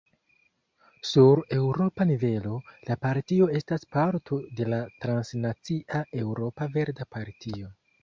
Sur eŭropa nivelo, la partio estas parto de la transnacia Eŭropa Verda Partio.